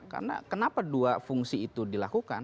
karena kenapa dua fungsi itu dilakukan